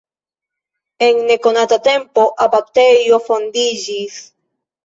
En nekonata tempo abatejo fondiĝis.